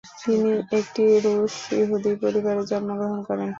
তিনি একটি রুশ ইহুদি পরিবারে জন্মগ্রহণ করেন।